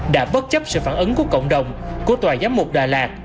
đã bất chấp sự phản ứng của cộng đồng của tòa giám mục đà lạt